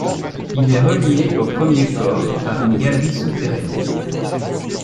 Il est relié au premier corps par une galerie souterraine.